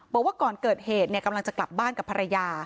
บอกว่าก่อนเกิดเหตุกำลังจะกลับบ้านกับภรรยา